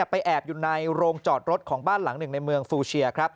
ไปแอบอยู่ในโรงจอดรถของบ้านหลังหนึ่งในเมืองฟูเชีย